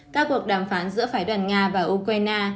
các cuộc đàm phán giữa phái đoàn nga và ukraine